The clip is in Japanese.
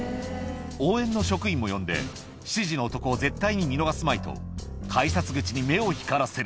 応援の職員も呼んで、７時の男を絶対に見逃すまいと、改札口に目を光らせる。